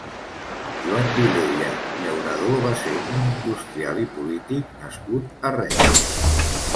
Joan Vilella Llauradó va ser un industrial i polític nascut a Reus.